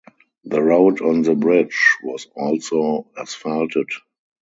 The road on the bridge was also asphalted.